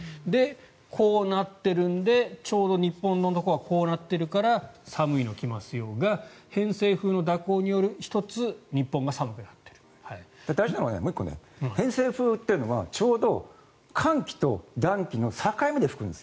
こうなってるのでちょうど日本のところがこうなっているから寒いのが来ますよが偏西風による蛇行の１つ、日本が大事なのは、もう１個偏西風というのはちょうど寒気と暖気の境目で吹くんです。